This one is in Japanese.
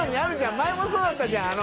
前もそうだったじゃんあの。